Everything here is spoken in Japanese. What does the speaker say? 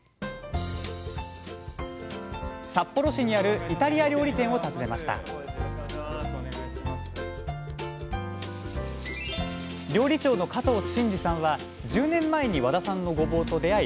札幌市にあるイタリア料理店を訪ねました料理長の加藤慎二さんは１０年前に和田さんのごぼうと出会い